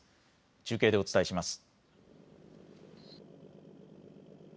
中継でお伝えします。